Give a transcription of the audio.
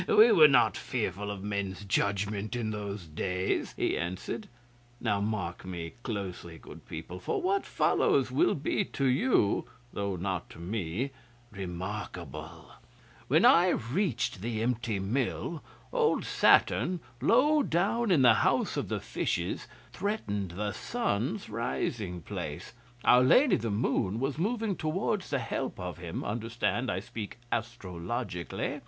'We were not fearful of men's judgment in those days,' he answered. 'Now mark me closely, good people, for what follows will be to you, though not to me, remarkable. When I reached the empty Mill, old Saturn, low down in the House of the Fishes, threatened the Sun's rising place. Our Lady the Moon was moving towards the help of him (understand, I speak astrologically).